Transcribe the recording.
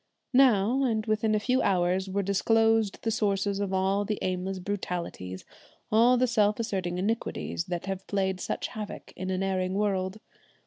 Now, and within a few hours, were disclosed the sources of all the aimless brutalities, all the self asserting iniquities that have played such havoc in an erring world.